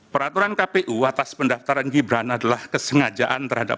peraturan kpu atas pendaftaran gibran adalah kesengajaan terhadap